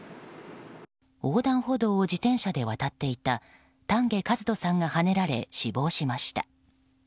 横断歩道を自転車で渡っていた丹下一斗さんがはねられ死亡しました。